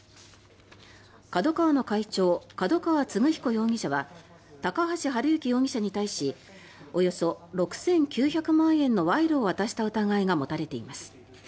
ＫＡＤＯＫＡＷＡの会長角川歴彦容疑者は高橋治之容疑者に対しおよそ６９００万円の賄賂を渡した疑いが持たれています。